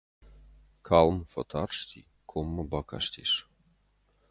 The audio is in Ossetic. Калм фӕтарсти, коммӕ бакастис.